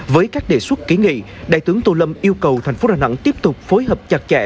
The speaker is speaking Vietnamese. với các đề xuất ký nghị đại tướng tô lâm yêu cầu thành phố đà nẵng tiếp tục phối hợp chặt chẽ